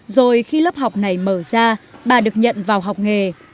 rồi khi lớp học này mở ra bà được nhận vào học nghề